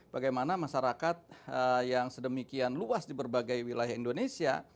bagaimana masyarakat yang sedemikian luas di berbagai wilayah indonesia